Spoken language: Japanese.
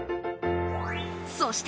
そして。